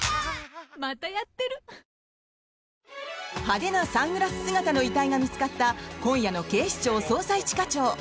派手なサングラス姿の遺体が見つかった今夜の「警視庁・捜査一課長」。